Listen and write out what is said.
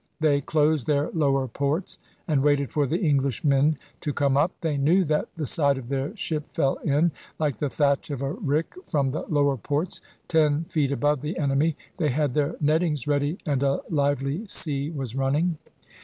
They closed their lower ports, and waited for the Englishmen to come up. They knew that the side of their ship fell in, like the thatch of a rick, from the lower ports, ten feet above the enemy. They had their nettings ready, and a lively sea was running.